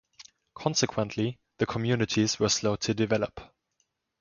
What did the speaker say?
Consequently, the communities were slow to develop.